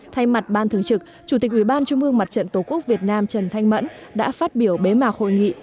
thay mặt ban thường trực chủ tịch ubnd mặt trận tổ quốc việt nam trần thanh mẫn đã phát biểu bế mạc hội nghị